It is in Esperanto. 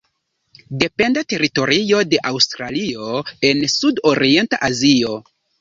Dependa teritorio de Aŭstralio en Sud-Orienta Azio.